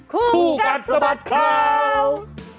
คู่กัดสะบัดข่าว